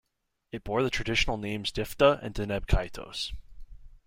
It bore the traditional names "Diphda" and "Deneb Kaitos".